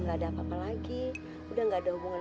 nggak ada apa apa lagi udah nggak ada hubungan